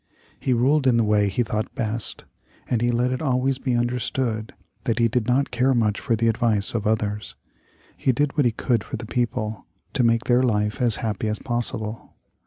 He ruled in the way he thought best, and he let it always be understood that he did not care much for the advice of others. He did what he could for the people to make their life as happy as possible.